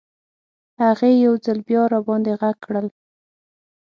هغې یو ځل بیا راباندې غږ کړل.